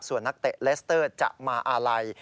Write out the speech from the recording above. ส่วนนักเตะเลสเตอร์จะมาอาลัย